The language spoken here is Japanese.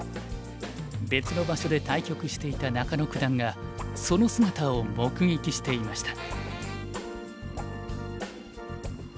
別の場所で対局していた中野九段がその姿を目撃していました。